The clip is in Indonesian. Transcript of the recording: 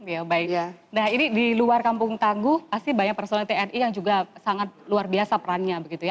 ya baik nah ini di luar kampung tangguh pasti banyak personil tni yang juga sangat luar biasa perannya begitu ya